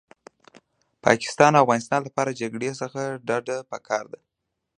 پاکستان او افغانستان لپاره جګړې څخه ډډه پکار ده